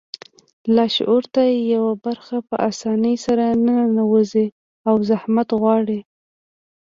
لاشعور ته يوه خبره په آسانۍ سره نه ننوځي او زحمت غواړي.